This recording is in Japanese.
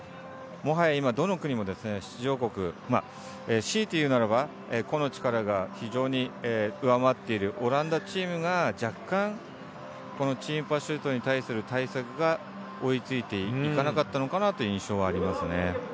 もはや今、どの出場国も強いて言うならば個の力が非常に上回っているオランダチームが若干、チームパシュートに対する対策が追い付いていかなかったという印象がありますね。